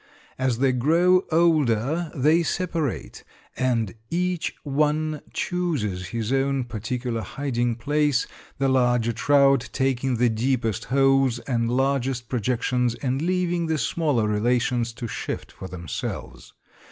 As they grow older they separate, and each one chooses his own particular hiding place, the larger trout taking the deepest holes and largest projections and leaving the smaller relations to shift for themselves.